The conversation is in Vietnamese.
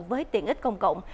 với tiện ích công cộng